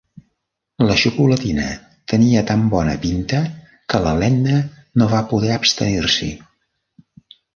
La xocolatina tenia tan bon pinta que la Lenna no va poder abstenir-s'hi.